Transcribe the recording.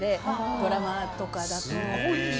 ドラマとかだと。